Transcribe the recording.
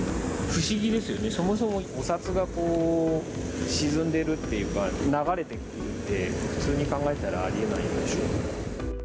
不思議ですよね、そもそもお札が沈んでいるっていうか、流れてくるって、普通に考えたらありえないでしょ。